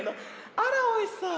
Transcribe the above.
あらおいしそう。